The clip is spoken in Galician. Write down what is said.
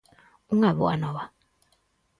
Unha boa nova.